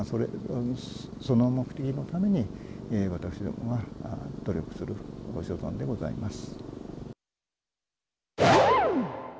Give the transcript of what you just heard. その目的のために、私どもは努力する所存でございます。